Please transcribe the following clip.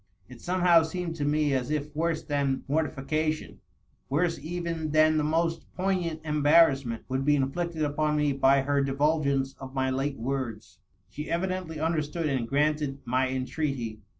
It somehow seemed to me as if worse than mortification, worse even than the most poignant embarrassment, would be inflicted upon me by her divulgence of my late words. She evidently understood and granted my entreaty.